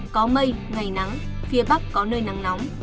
có mây ngày nắng phía bắc có nơi nắng nóng